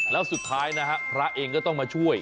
แล้วสุดท้ายนะฮะพระเองก็ต้องมาช่วย